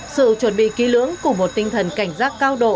sự chuẩn bị ký lưỡng cùng một tinh thần cảnh giác cao độ